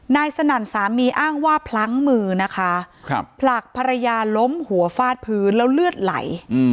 สนั่นสามีอ้างว่าพลั้งมือนะคะผลักภรรยาล้มหัวฟาดพื้นแล้วเลือดไหล